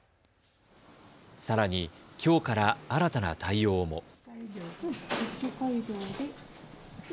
さらに、きょうから新たな対応も。